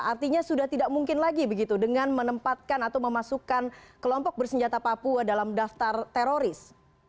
artinya sudah tidak mungkin lagi begitu dengan menempatkan atau memasukkan kelompok bersenjata papua dalam daftar teroris